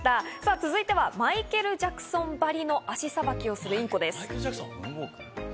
続いてはマイケル・ジャクソンばりの足さばきをするインコです。